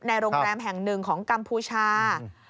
โรงแรมแห่งหนึ่งของกัมพูชา